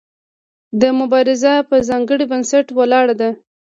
دا مبارزه په ځانګړي بنسټ ولاړه ده.